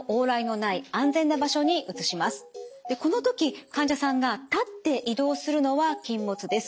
でこの時患者さんが立って移動するのは禁物です。